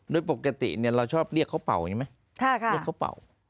โดยปกติเราชอบเรียกเขาเป่าใช่ไหมเรียกเขาเป่า